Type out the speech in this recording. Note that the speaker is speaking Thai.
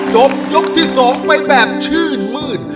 จบยกที่๒ไปแบบชื่นมืด